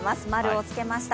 ○をつけました、